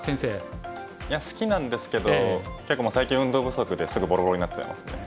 いや好きなんですけど結構もう最近運動不足ですぐぼろぼろになっちゃいますね。